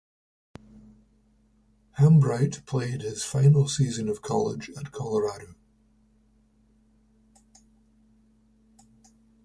Hambright played his final season of college at Colorado.